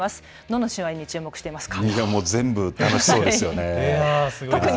どの試合に注目していますか。